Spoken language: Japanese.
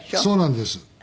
そうなんです。